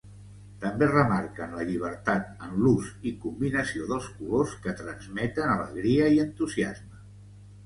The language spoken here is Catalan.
També remarquen la llibertat en l’ús i combinació dels colors que transmeten alegria i entusiasme.